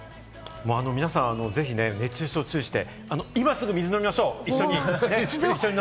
皆さん、ぜひ熱中症注意して、今すぐ水飲みましょう、一緒に。